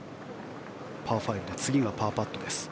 パー５で次がパーパットです。